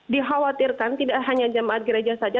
dikhawatirkan tidak hanya jemaat gereja saja